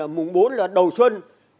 mùng bốn là đầu xuân